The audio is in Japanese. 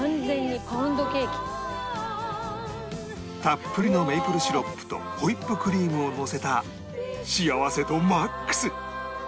たっぷりのメイプルシロップとホイップクリームをのせた幸せ度マックス！